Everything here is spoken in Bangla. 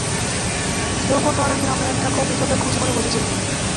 সেও করত আর একদিন আমরা একটা কফি শপে খুশি মনে বসেছিলাম।